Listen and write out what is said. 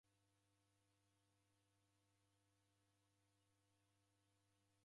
Dumia mayo magome